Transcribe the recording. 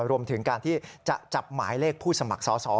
รวมถึงการที่จะจับหมายเลขผู้สมัครสอสอ